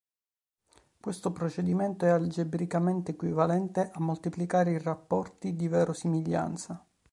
Questo procedimento è algebricamente equivalente a moltiplicare i rapporti di verosimiglianza.